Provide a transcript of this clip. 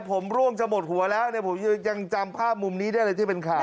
ผมร่วงจะหมดหัวแล้วเนี่ยผมยังจำภาพมุมนี้ได้เลยที่เป็นข่าว